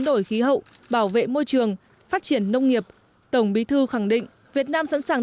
đại hậu bảo vệ môi trường phát triển nông nghiệp tổng bí thư khẳng định việt nam sẵn sàng